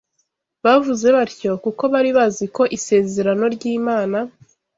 Bavuze batyo kuko bari bazi ko isezerano ry’Imana